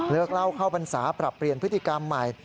เล่าเข้าพรรษาปรับเปลี่ยนพฤติกรรมใหม่